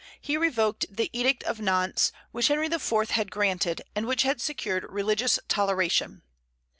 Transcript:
He revoked the Edict of Nantes, which Henry IV. had granted, and which had secured religious toleration.